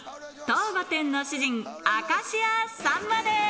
当御殿の主人明石家さんまです。